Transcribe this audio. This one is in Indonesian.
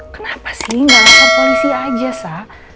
kenapa sih gak lapor polisi aja sa